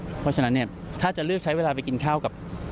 เพราะฉะนั้นเนี่ยถ้าจะเลือกใช้เวลาไปกินข้าวกับ